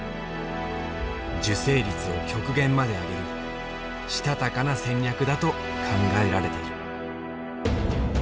受精率を極限まで上げるしたたかな戦略だと考えられている。